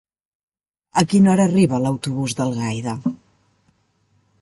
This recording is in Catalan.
A quina hora arriba l'autobús d'Algaida?